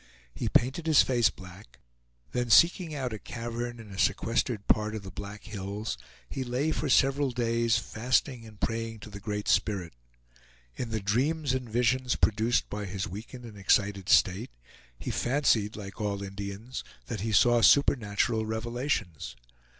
He painted his face black; then seeking out a cavern in a sequestered part of the Black Hills, he lay for several days, fasting and praying to the Great Spirit. In the dreams and visions produced by his weakened and excited state, he fancied like all Indians, that he saw supernatural revelations.